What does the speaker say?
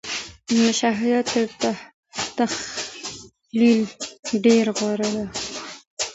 مشاهده تر تخيل ډېره غوره ده.